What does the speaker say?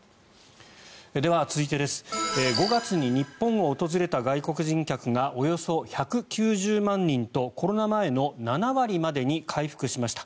では続いて５月に日本を訪れた外国人客がおよそ１９０万人とコロナ前の７割までに回復しました。